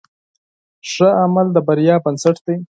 ښه عمل د بریا بنسټ دی.